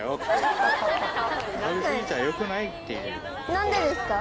何でですか？